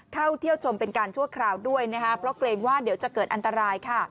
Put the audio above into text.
เข้าเที่ยวชมเป็นการชั่วคราวด้วยนะคะเพราะเกรงว่าเดี๋ยวจะเกิดอันตรายค่ะ